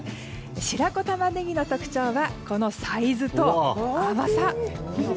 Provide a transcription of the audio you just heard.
白子タマネギの特徴はこのサイズと甘さ。